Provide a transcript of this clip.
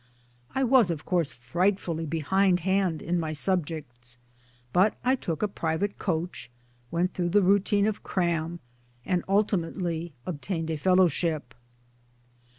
I was of course frightfully behind hand in my subjects, but I took a private ' coach,' went through the routine of cram, and ultimately obtained a fellowship.